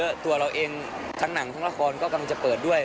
แล้วตัวเราเองทั้งหนังทั้งละครก็กำลังจะเปิดด้วย